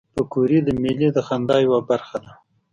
پکورې د میلې د خندا یوه برخه ده